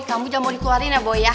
kamu jangan mau dikeluarin ya boy ya